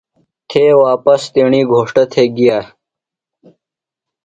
تھےۡ واپس تیݨی گھوݜٹہ تھےۡ گِیہ ۔